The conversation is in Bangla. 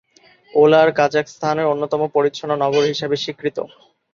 ওরাল কাজাখস্তানের অন্যতম পরিচ্ছন্ন নগর হিসেবে স্বীকৃত।